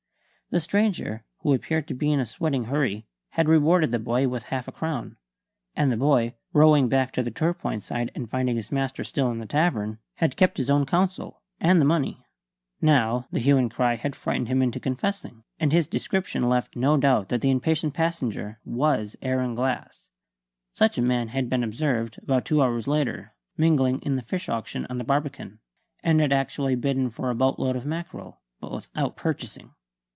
The stranger, who appeared to be in a sweating hurry, had rewarded the boy with half a crown; and the boy, rowing back to the Torpoint side and finding his master still in the tavern, had kept his own counsel and the money. Now the hue and cry had frightened him into confessing; and his description left no doubt that the impatient passenger was Aaron Glass. Such a man had been observed, about two hours later, mingling in a fish auction on the Barbican; and had actually bidden for a boatload of mackerel, but without purchasing.